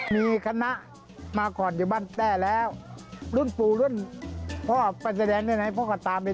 ให้อย่างพ่อเบิร์งโหลดท่า